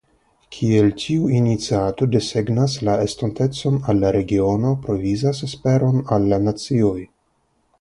Kiel tiu iniciato desegnas la estontecon al la regiono provizas esperon al la nacioj".